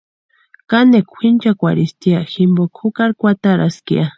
Kanekwa kwʼinchakwarhesti ya jimpokani jukari kwataraska ya.